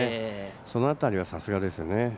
その辺りはさすがですね。